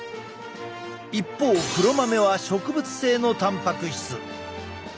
一方黒豆は植物性のたんぱく質。